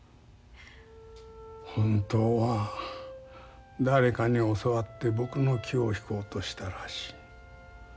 本当は誰かに教わって僕の気を引こうとしたらしい。